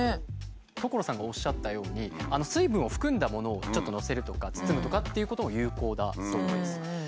所さんがおっしゃったように水分を含んだものをちょっと載せるとか包むとかっていうことも有効だそうです。